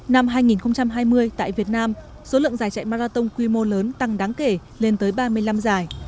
năm hai nghìn hai mươi tại việt nam số lượng giải chạy marathon quy mô lớn tăng đáng kể lên tới ba mươi năm giải